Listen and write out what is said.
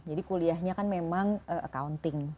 jadi kuliahnya kan memang accounting